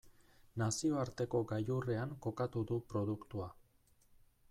Nazioarteko gailurrean kokatu du produktua.